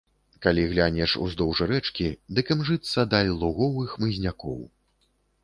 Калі глянеш уздоўж рэчкі, дык імжыцца даль лугоў і хмызнякоў.